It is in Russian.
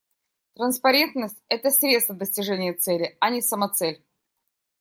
Транспарентность — это средство достижения цели, а не самоцель.